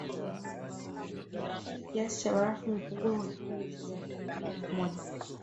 Lakini kiasi cha barafu imepungua kwa kipindi cha zaidi ya miaka elfu moja